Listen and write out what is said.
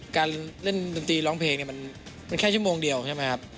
การเล่นดนตรีร้องเพลงเนี่ยมันแค่ชั่วโมงเดียวใช่ไหมครับ